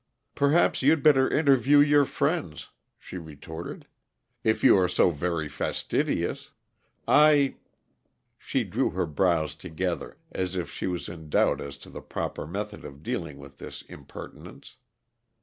"Perhaps you'd better interview your friends," she retorted, "if you are so very fastidious. I " She drew her brows together, as if she was in doubt as to the proper method of dealing with this impertinence.